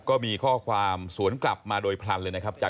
ก็มีข้อความสวนกลับมาโดยพลันเลยนะครับ